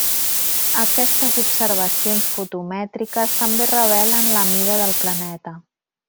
Aquestes observacions fotomètriques també revelen la mida del planeta.